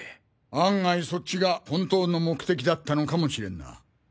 案外そっちが本当の目的だったのかもしれんな。